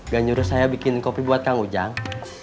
gak nyuruh saya bikin kopi buat kang ujang